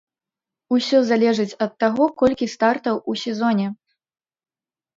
Усё залежыць ад таго, колькі стартаў у сезоне.